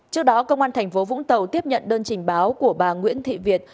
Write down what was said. trước đó công an tp vũng tàu tiếp nhận đơn trình báo của bà nguyễn thị việt